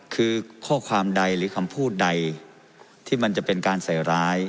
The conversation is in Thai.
คือข้อความใดหรือคำพูดใดที่มันจะเป็นการใส่ร้าย